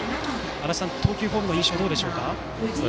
足達さん、投球フォームの印象はどうでしょうか？